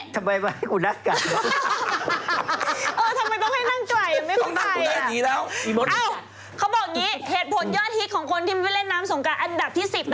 เขาบอกอย่างนี้ธศพนที่ได้เรียนนามสงกราศอันดับที่๑๐